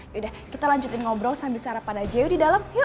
yaudah kita lanjutin ngobrol sambil sarapan aja yuk di dalam yuk